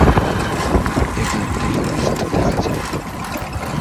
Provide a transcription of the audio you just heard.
এখান থেকে রাস্তা দেখা যায়।